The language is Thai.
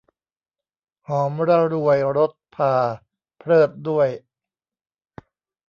หอมระรวยรสพา เพริศด้วย